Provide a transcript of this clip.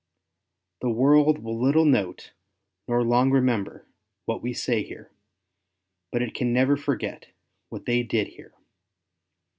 The world will little note, nor long remember, what we say here; but it can never forget what they did here.